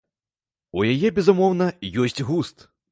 У яе, безумоўна, ёсць густ.